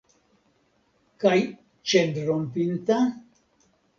Kaj ĉenrompinta?